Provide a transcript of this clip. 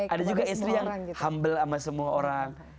ada juga istri yang humble sama semua orang